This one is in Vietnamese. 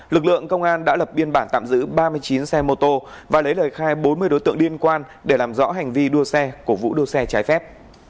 lực lượng công an đã lập biên bản tạm giữ ba mươi chín xe mô tô và lấy lời khai bốn mươi đối tượng liên quan để làm rõ hành vi đua xe cổ vũ đua xe trái phép